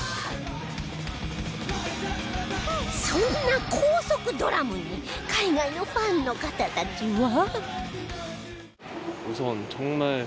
そんな高速ドラムに海外のファンの方たちは